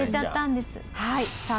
さあ